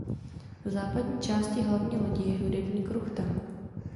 V západní části hlavní lodi je hudební kruchta.